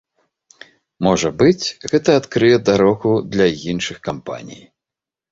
Можа быць, гэта адкрые дарогу для іншых кампаній.